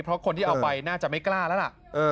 เพราะคนที่เอาไปน่าจะไม่กล้าแล้วล่ะ